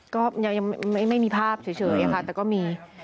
ก็ยังไม่มีภาพเฉยค่ะแต่ก็มี